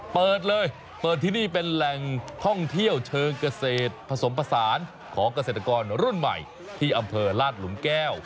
เปิดเลยเปิดที่นี่เป็นแหล่งท่องเที่ยวเชิงเกษตรผสมผสานของเกษตรกรรุ่นใหม่ที่อำเภอลาดหลุมแก้ว